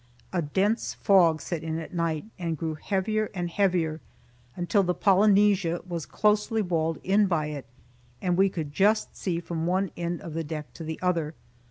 A dense fog set in at night, and grew heavier and heavier, until the "Polynesia" was closely walled in by it, and we could just see from one end of the deck to the other.